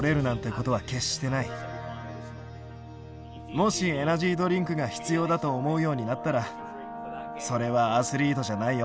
もしエナジードリンクが必要だと思うようになったらそれはアスリートじゃないよ。